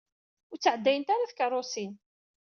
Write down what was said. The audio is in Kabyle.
Ur ttɛeddayent ara tkeṛṛusin.